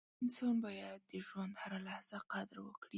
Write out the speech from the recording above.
• انسان باید د ژوند هره لحظه قدر وکړي.